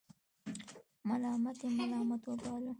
ملامت یې ملامت وبللو.